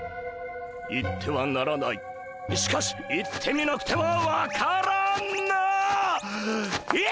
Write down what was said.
行ってはならないしかし行ってみなくては分からない！